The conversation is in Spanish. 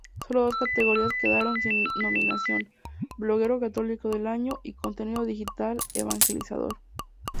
Solo dos categorías quedaron sin nominación: "Bloguero católico del año y Contenido digital evangelizador.